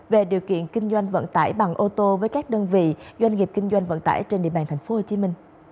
về điều kiện kinh doanh vận tải bằng ô tô với các đơn vị doanh nghiệp kinh doanh vận tải trên địa bàn tp hcm